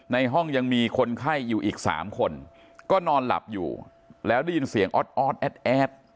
ในห้องยังมีคนไข้อยู่อีก๓คนก็นอนหลับอยู่แล้วได้ยินเสียงออดแอดแอด